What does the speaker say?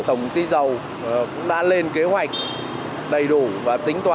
tổng ty dầu cũng đã lên kế hoạch đầy đủ và tính toán